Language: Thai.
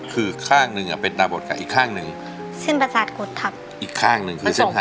คือข้างหนึ่งเป็นตาบอดไก่อีกข้างหนึ่งอีกข้างหนึ่งคือเส้นหาดกฎทัพ